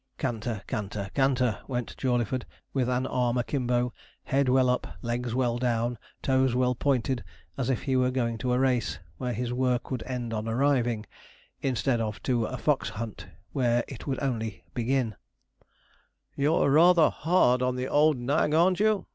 Canter, canter, canter, went Jawleyford, with an arm akimbo, head well up, legs well down, toes well pointed, as if he were going to a race, where his work would end on arriving, instead of to a fox hunt, where it would only begin. [Illustration: JAWLEYFORD GOING TO THE HUNT] 'You are rather hard on the old nag, aren't you?'